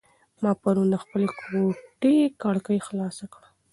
ما پرون د خپلې کوټې کړکۍ خلاصه کړه.